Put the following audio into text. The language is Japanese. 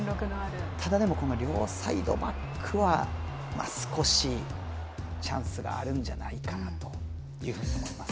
でも、両サイドバックは少しチャンスがあるんじゃないかなという感じがします。